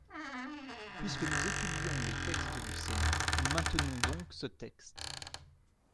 Puisque nous étudions le texte du Sénat, nous maintenons donc ce texte.